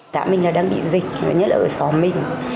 xã mình đang bị dịch nhất là ở xóa mình